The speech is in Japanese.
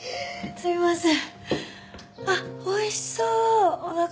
すいません。